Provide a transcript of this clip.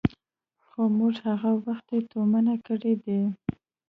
خو موږ هغه وختي تومنه کړي دي.